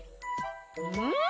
うん！